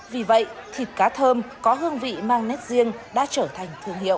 vì vậy thịt cá thơm có hương vị mang nét riêng đã trở thành thương hiệu